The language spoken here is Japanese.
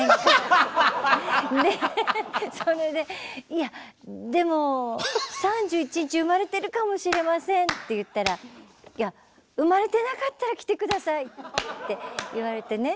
「いやでも３１日産まれてるかもしれません」って言ったら「産まれてなかったら来て下さい」って言われてね